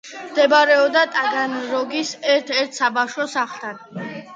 მდებარეობდა ტაგანროგის ერთ-ერთ საბავშვო სახლთან.